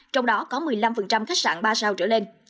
trong đó có một mươi năm khách sạn ba sao trở lên